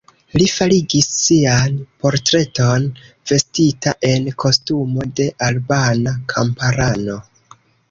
Li farigis sian portreton, vestita en kostumo de albana kamparano.